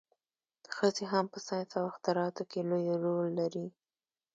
ښځې هم په ساینس او اختراعاتو کې لوی رول لري.